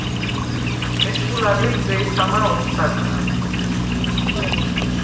ეშხუ ლადეღ დე̄სამა ოთდაგრა.